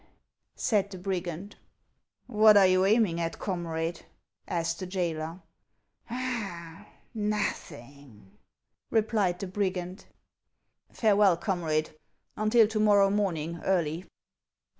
" Good," said the brigand. 506 HANS OF 1CELAMD. " What are you aiming at, comrade ?" asked the jailer. " Oh, nothing," replied the brigand. " Farewell, comrade, until to morrow morning early."